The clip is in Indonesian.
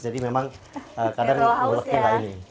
jadi memang kadang nguleknya kayak gini